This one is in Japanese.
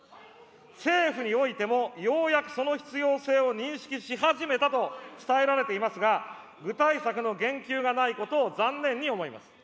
政府においてもようやくその必要性を認識し始めたと伝えられていますが、具体策の言及がないことを残念に思います。